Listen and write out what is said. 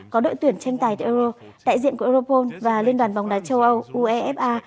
có đội tuyển tranh tài tại euro đại diện của europol và liên đoàn bóng đá châu âu uefa